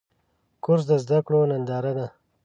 کورس د زده کړو ننداره ده.